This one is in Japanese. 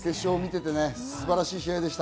素晴らしい試合でした。